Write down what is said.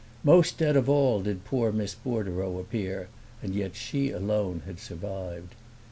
Most dead of all did poor Miss Bordereau appear, and yet she alone had survived.